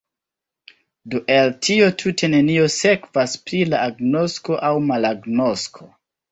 Do el tio tute nenio sekvas pri la agnosko aŭ malagnosko.